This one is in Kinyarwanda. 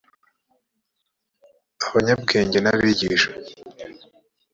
abanyabwenge n abigisha